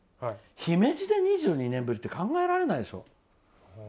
姫路で２２年ぶりって考えられないでしょ。